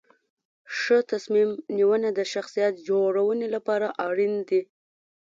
ښه تصمیم نیونه د شخصیت جوړونې لپاره اړین دي.